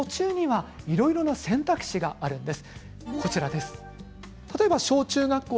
この途中にはいろいろな選択肢があるんです。